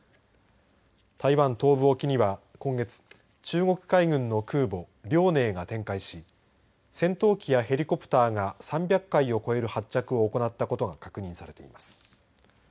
台湾東部沖には今月中国海軍の空母、遼寧が展開し戦闘機やヘリコプターが３００回を超える発着を行ったことが確認されています。